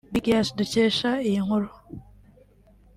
BigEye dukesha iyi nkuru